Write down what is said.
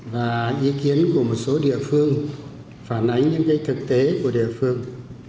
và ý kiến của một số địa phương phản ánh những thực tế của địa phương